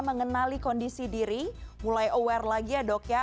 mengenali kondisi diri mulai aware lagi ya dok ya